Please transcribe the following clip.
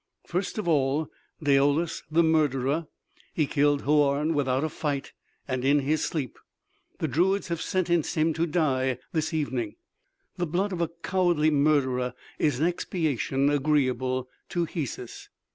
"First of all Daoulas the murderer: he killed Houarne without a fight and in his sleep. The druids have sentenced him to die this evening. The blood of a cowardly murderer is an expiation agreeable to Hesus."